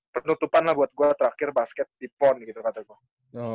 penutupan lah buat gue terakhir basket di pon gitu katanya gue